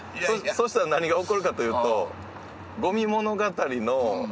そしたら何が起こるかというと。